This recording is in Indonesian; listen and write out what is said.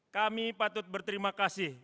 kami patut berterima kasih